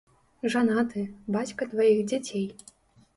Жанаты, бацька дваіх дзяцей.